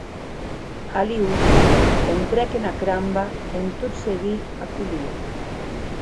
Aliosha entrèc ena cramba en tot seguir a Kolia.